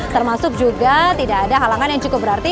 termasuk juga tidak ada halangan yang cukup berarti